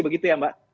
begitu ya mbak